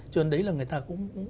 cho nên đấy là người ta cũng